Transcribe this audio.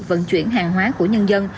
vận chuyển hàng hóa của nhân dân